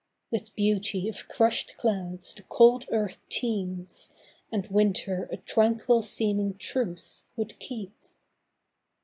With beauty of crushed clouds the cold earth teems, And winter a tranquil seeming truce would keep.